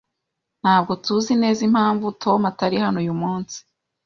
Ntabwo tuzi neza impamvu Tom atari hano uyu munsi.